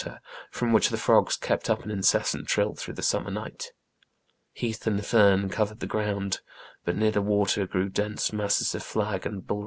INTRODUCTORY. 5 from which the frogs kept up an incessant trill through the summer night. Heath and fern covered the ground, but near the water grew dense masses of flag and bul.